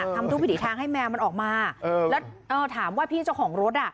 ทำทุกวิถีทางให้แมวมันออกมาแล้วถามว่าพี่เจ้าของรถอ่ะ